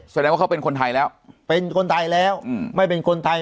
แสดงว่าเขาเป็นคนไทยแล้วเป็นคนไทยแล้วไม่เป็นคนไทย